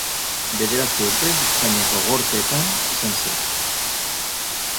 Bederatzi urtez, Espainiako Gorteetan izan zen.